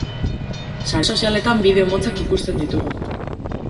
Sare sozialetan bideo motzak ikusten ditugu.